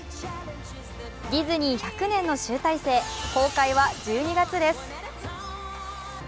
ディズニー１００年の集大成、公開は１２月です。